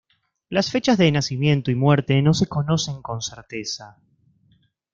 Las fechas de nacimiento y muerte no se conocen con certeza.